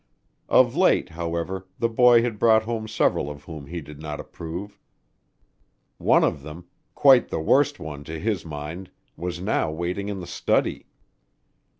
Of late, however, the boy had brought home several of whom he did not approve. One of them quite the worst one to his mind was now waiting in the study.